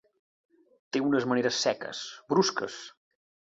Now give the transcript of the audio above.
Té unes maneres seques, brusques.